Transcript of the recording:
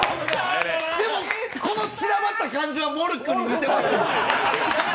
でも、この散らばった感じはモルックに似てますね。